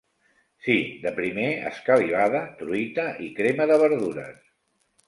Sí, de primer, escalivada, truita i crema de verdures.